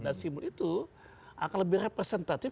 dan simbol itu akan lebih representasif